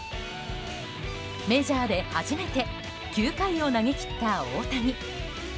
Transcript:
メジャーで初めて９回を投げ切った大谷。